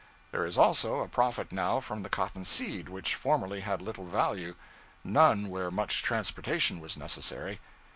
There is also a profit now from the cotton seed, which formerly had little value none where much transportation was necessary.